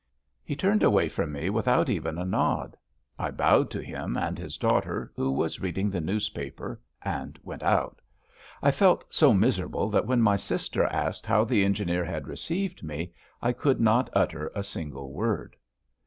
He turned away from me without even a nod. I bowed to him and his daughter, who was reading the newspaper, and went out. I felt so miserable that when my sister asked how the engineer had received me, I could not utter a single word.